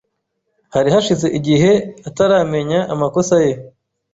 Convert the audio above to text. Hari hashize igihe ataramenya amakosa ye.